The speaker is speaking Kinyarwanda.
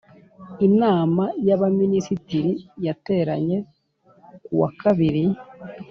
Inama yAbaminisitiri yateranye kuwakabiri